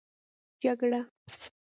جگړه